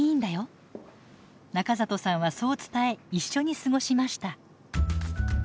中里さんはそう伝え一緒に過ごしました。